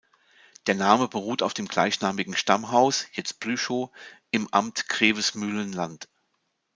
Der Name beruht auf dem gleichnamigen Stammhaus, jetzt Plüschow, im Amt Grevesmühlen-Land.